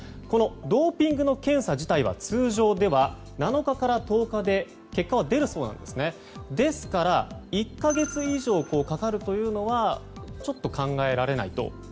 このドーピングの検査自体は通常では７日から１０日で結果は出るそうですから１か月以上かかるというのはちょっと考えられないと。